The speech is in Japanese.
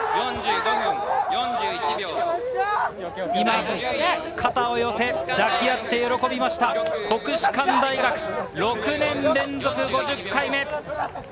今、肩を寄せ、抱き合って喜びました、国士館大学、６年連続５０回目。